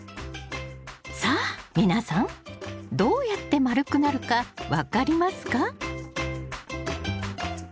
さあ皆さんどうやって丸くなるか分かりますか？